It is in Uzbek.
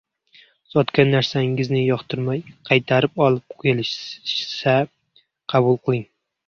Sotgan narsangizni yoqtirmay, qaytarib olib kelishsa, qabul qiling;